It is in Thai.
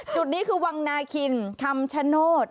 จุดนี้คือวังนาคินคำชโนธ